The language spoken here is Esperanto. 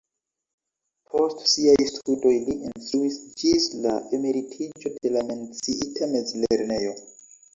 Post siaj studoj li instruis ĝis la emeritiĝo en la menciita mezlernejo.